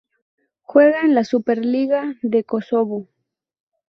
Juega en la Superliga de Kosovo.